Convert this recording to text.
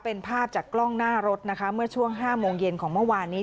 เป็นภาพจากกล้องหน้ารถนะคะเมื่อช่วง๕โมงเย็นของเมื่อวานนี้